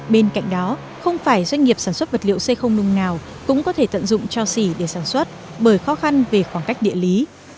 bên cạnh đó không phải doanh nghiệp sản xuất vật liệu xây không nung nào cũng có thể tận dụng cho xỉ để sản xuất bởi khó khăn về khoảng cách địa lý